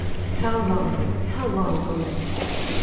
How long, how long, oh, night